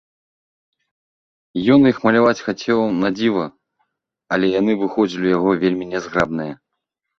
Ён іх маляваць хацеў надзіва, але яны выходзілі ў яго вельмі нязграбныя.